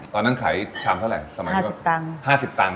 ตอนนั้นขายชามเท่าไร๕๐ตังคลั่ง